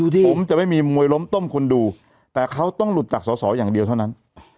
ผมจะไม่มีมวยล้มต้มคนดูแต่เขาต้องหลุดจากสอสออย่างเดียวเท่านั้น